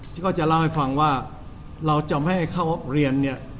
ที่เขาจะเล่าให้ฟังว่าเราจะไม่ให้เข้าเรียนเนี่ย